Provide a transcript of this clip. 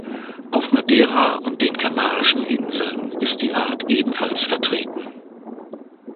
Auf Madeira und den Kanarischen Inseln ist die Art ebenfalls vertreten.